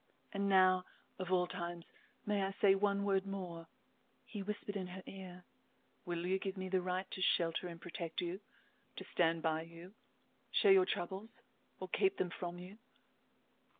"And now of all times may I say one word more?" he whispered in her ear. "Will you give me the right to shelter and protect you, to stand by you, share your troubles, or keep them from you